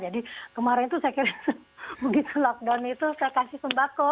jadi kemarin tuh saya kira begitu lockdown itu saya kasih sembako